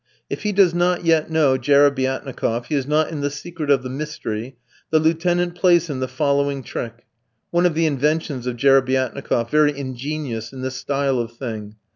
If he does not yet know Jerebiatnikof, if he is not in the secret of the mystery, the Lieutenant plays him the following trick one of the inventions of Jerebiatnikof, very ingenious in this style of thing.